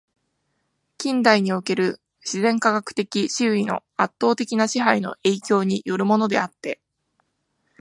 近代における自然科学的思惟の圧倒的な支配の影響に依るものであって、